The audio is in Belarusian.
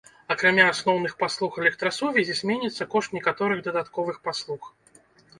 Акрамя асноўных паслуг электрасувязі, зменіцца кошт некаторых дадатковых паслуг.